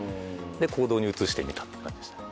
で行動に移してみたって感じでしたね。